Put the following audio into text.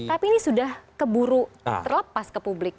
tapi ini sudah keburu terlepas ke publik